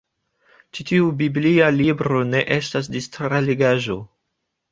Ĉi tiu biblia libro ne estas distra legaĵo.